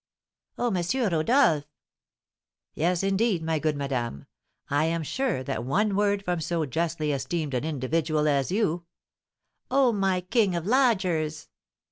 "Oh, M. Rodolph!" "Yes, indeed, my good madame, I am sure that one word from so justly esteemed an individual as you " "Oh, my king of lodgers!"